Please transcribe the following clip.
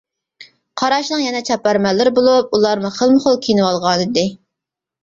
قاراشنىڭ يەنە چاپارمەنلىرى بولۇپ ئۇلارمۇ خىلمۇ خىل كىيىنىۋالغانىدى.